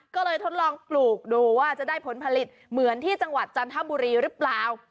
ก็เลยทดลองปลูกดูว่าจะได้ผลผลิตเหมือนที่จังหวัดจันทบุรีหรือเปล่า